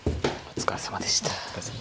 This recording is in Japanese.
お疲れさまでした。